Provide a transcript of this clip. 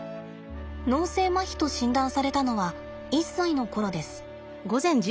脳性まひと診断されたのは１歳の頃です。